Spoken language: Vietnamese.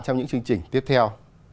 trong những chương trình tiếp theo